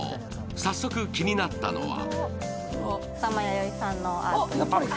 早速、気になったのは？